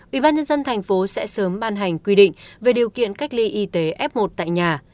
ủy ban nhân dân thành phố sẽ sớm ban hành quy định về điều kiện cách ly y tế f một tại nhà